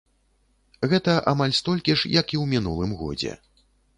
Гэта амаль столькі ж, як і ў мінулым годзе.